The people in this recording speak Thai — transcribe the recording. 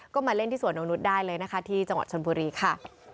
ก็มาเล่นที่สวนนงนุษย์ได้เลยนะคะที่จังหวัดชนบุรีค่ะ